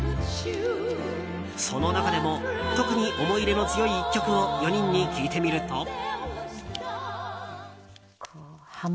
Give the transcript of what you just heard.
その中でも、特に思い入れの強い１曲を４人に聞いてみると。